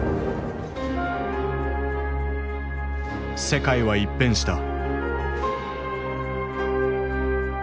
世界は一変した。